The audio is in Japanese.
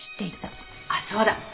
あっそうだ。